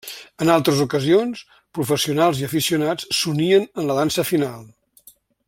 En altres ocasions, professionals i aficionats s'unien en la dansa final.